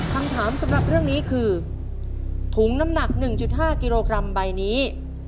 คำถามสำหรับเรื่องนี้คือถุงน้ำหนัก๑๕กิโลกรัมใบนี้